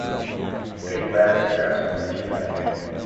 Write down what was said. Ele vai apreciar sua honestidade.